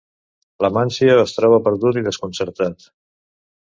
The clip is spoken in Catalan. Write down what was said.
L'Amáncio es troba perdut i desconcertat.